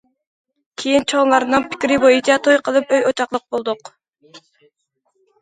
كېيىن چوڭلارنىڭ پىكرى بويىچە توي قىلىپ ئۆي ئوچاقلىق بولدۇق.